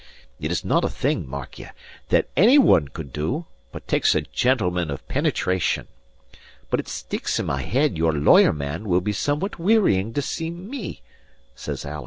It is not a thing (mark ye) that any one could do, but takes a gentleman of penetration. But it sticks in my head your lawyer man will be somewhat wearying to see me," says Alan.